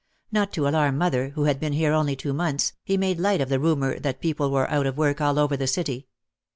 Not to alarm mother, who had been here only two months, he made light of the rumour that people were out of work all over the city.